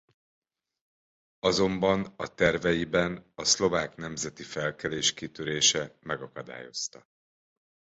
Azonban a terveiben a szlovák nemzeti felkelés kitörése megakadályozta.